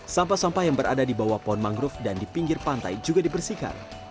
sampah sampah yang berada di bawah pohon mangrove dan di pinggir pantai juga dibersihkan